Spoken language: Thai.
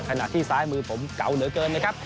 ขณะที่ซ้ายมือผมเก่าเหลือเกินนะครับ